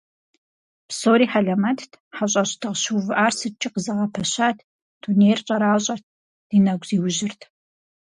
Псори хьэлэмэтт, хьэщӀэщ дыкъыщыувыӀар сыткӀи къызэгъэпэщат, дунейр щӀэращӀэрт, ди нэгу зиужьырт…